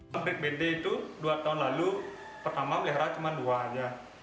fabrik bd itu dua tahun lalu pertama melihara cuma dua aja